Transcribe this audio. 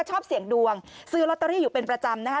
ชอบเสี่ยงดวงซื้อลอตเตอรี่อยู่เป็นประจำนะคะ